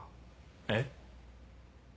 えっ？